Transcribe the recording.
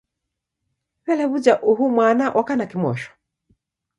W'ele w'uja uhu mwana oka na kimosho?